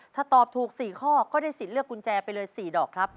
ถ้าตอบถูก๔ข้อก็ได้สิทธิ์เลือกกุญแจไปเลย๔ดอกครับ